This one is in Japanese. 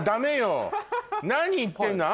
何言ってんの？